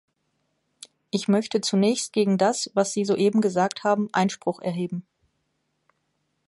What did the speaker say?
Ich möchte zunächst gegen das, was Sie soeben gesagt haben, Einspruch erheben.